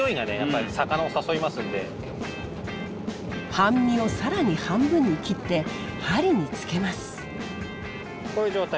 半身を更に半分に切って針につけます。